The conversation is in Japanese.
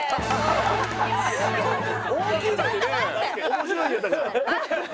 面白いよだから。